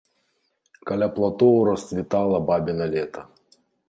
Каля платоў расцвітала бабіна лета.